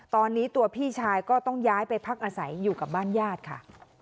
ตอนนี้ตัวพี่ชายก็ต้องย้ายไปพักอาศัยอยู่กับบ้านญาติค่ะ